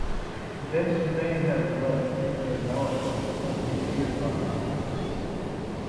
This may have led to the development of dikir barat.